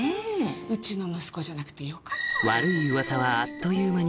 うちの息子じゃなくてよかったわ。